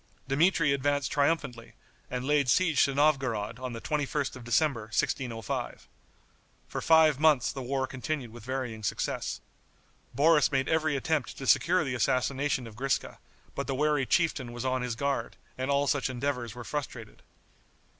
Dmitri advanced triumphantly, and laid siege to Novgorod on the 21st of December, 1605. For five months the war continued with varying success. Boris made every attempt to secure the assassination of Griska, but the wary chieftain was on his guard, and all such endeavors were frustrated.